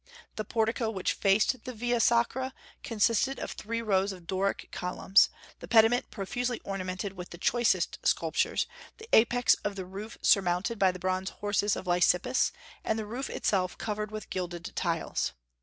The portico which faced the Via Sacra consisted of three rows of Doric columns, the pediment profusely ornamented with the choicest sculptures, the apex of the roof surmounted by the bronze horses of Lysippus, and the roof itself covered with gilded tiles.